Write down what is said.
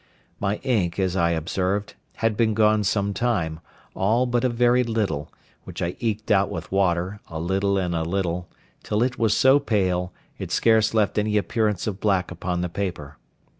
My ink, as I observed, had been gone some time, all but a very little, which I eked out with water, a little and a little, till it was so pale, it scarce left any appearance of black upon the paper.